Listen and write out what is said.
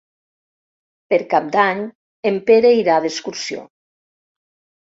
Per Cap d'Any en Pere irà d'excursió.